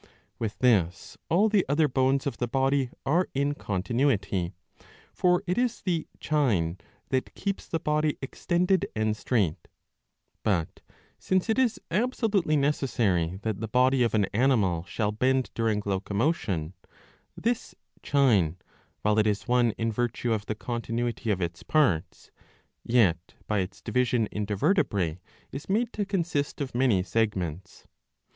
With this all the other bones of the body are in continuity ; for it is the chine that keeps the body extended and straight But since it is absolutely necessary that the body of an animal shall bend during locomotion, this chine, while it is one in virtue of the continuity of its parts, yet by its division into vertebrae is made to consist of many segments.